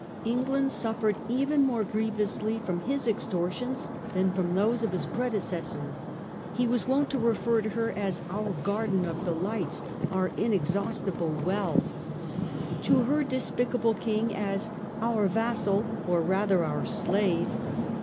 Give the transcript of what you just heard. England suffered even more grievously from his extortions than from those of his predecessor. He was wont to refer to her as " our garden of delights, our inexhaustible well "; to her despicable King as " our vassal, or rather our slave."